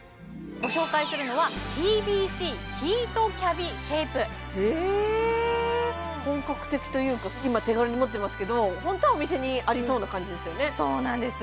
ご紹介するのはへえ本格的というか今手軽に持ってますけどホントはお店にありそうな感じですよねそうなんです